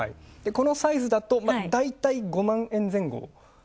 このサイズだと、大体５万円前後。